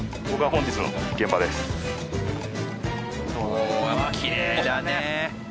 おきれいだね。